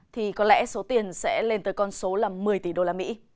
thì có lẽ số tiền sẽ lên tới con số là một mươi tỷ usd